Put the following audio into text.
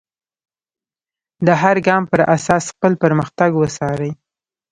د هر ګام پر اساس خپل پرمختګ وڅارئ.